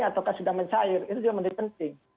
atau sedang mencair itu juga menjadi penting